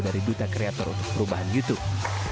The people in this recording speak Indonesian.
dari duta kreator untuk perubahan youtube